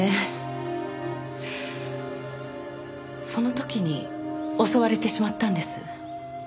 その時に襲われてしまったんです。